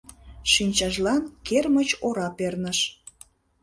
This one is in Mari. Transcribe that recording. Шинчажлан кермыч ора перныш.